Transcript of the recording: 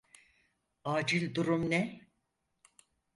Acil durum ne?